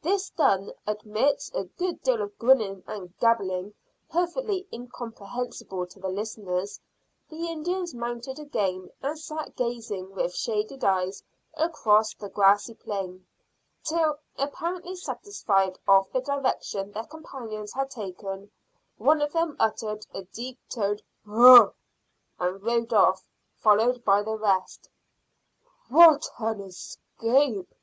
This done, amidst a good deal of grinning and gabbling perfectly incomprehensible to the listeners, the Indians mounted again and sat gazing with shaded eyes across the grassy plain, till, apparently satisfied of the direction their companions had taken, one of them uttered a deep toned Hugh! and rode off, followed by the rest. "What an escape!"